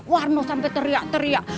warno sampe teriak teriak